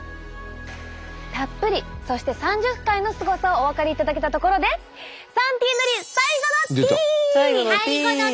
たっぷりそして３０回のすごさをお分かりいただけたところで３Ｔ塗り最後のＴ！